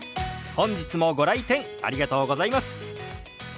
本日もご来店ありがとうございます。